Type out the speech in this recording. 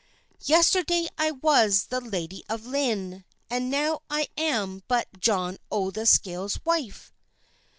Yesterday I was the lady of Lynne, And now I am but John o' the Scales wife!"